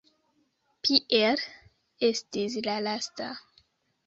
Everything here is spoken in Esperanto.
Pier estis la lasta.